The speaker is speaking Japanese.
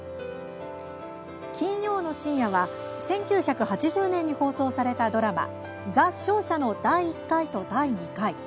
金曜の深夜は１９８０年に放送されたドラマ「ザ・商社」の第１回と第２回。